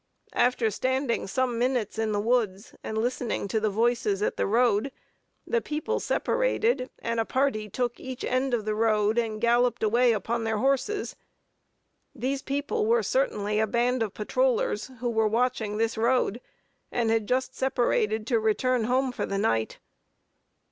After standing some minutes in the woods, and listening to the voices at the road, the people separated, and a party took each end of the road, and galloped away upon their horses. These people were certainly a band of patrollers, who were watching this road, and had just separated to return home for the night.